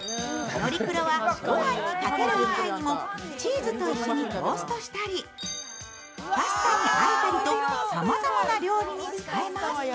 のりクロは御飯にかける以外にもチーズと一緒にトーストしたりパスタに和えたりとさまざまな料理に使えます。